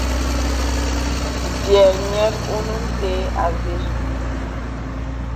M̀pyɛ̌ nyɛ̄t onə nte avə.